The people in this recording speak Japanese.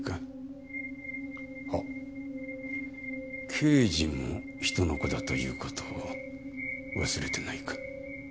刑事も人の子だという事を忘れてないか？